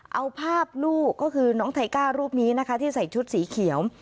เอาภาพลูกก็คือน้องไทก้ารูปนี้นะคะที่ใส่ชุดสีเขียว